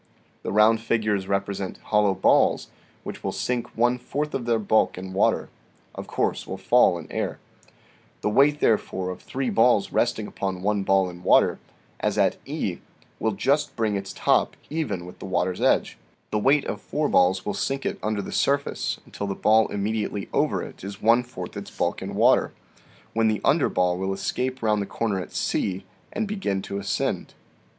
The round figures represent hollow balls, which will sink one fourth of their bulk in water (of course will fall in air) ; the weight there fore of three balls resting upon one ball in water, as at E, will just bring its top even with the water's edge ; the weight of four balls will sink it under the surface until the ball immediately over it is one fourth its bulk in water, when the under ball will escape round the corner at C, and begin to ascend.